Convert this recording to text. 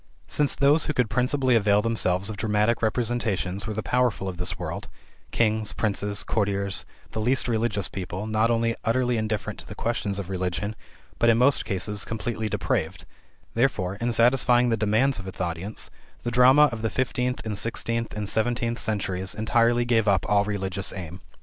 Since those who could principally avail themselves of dramatic representations were the powerful of this world: kings, princes, courtiers, the least religious people, not only utterly indifferent to the questions of religion, but in most cases completely depraved therefore, in satisfying the demands of its audience, the drama of the fifteenth and sixteenth and seventeenth centuries entirely gave up all religious aim.